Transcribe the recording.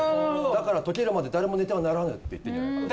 「だから解けるまで誰も寝てはならぬ」って言ってるんじゃないかな。